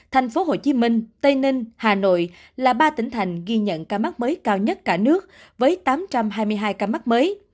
thành phố hồ chí minh tây ninh hà nội là ba tỉnh thành ghi nhận ca mắc mới cao nhất cả nước với tám trăm hai mươi hai ca mắc mới